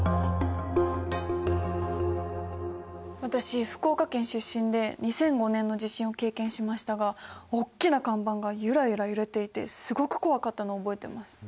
私福岡県出身で２００５年の地震を経験しましたがおっきな看板がゆらゆら揺れていてすごく怖かったのを覚えてます。